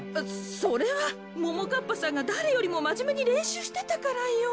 それはももかっぱさんがだれよりもまじめにれんしゅうしてたからよ。